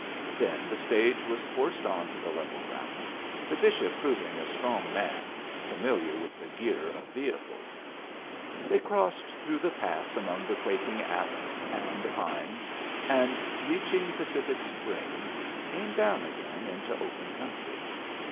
Then the stage was forced on to the level ground, the bishop proving a strong man, familiar with the gear of vehicles. They crossed through the pass among the quaking asps and the pines, and, reaching Pacific Springs, came down again into open country.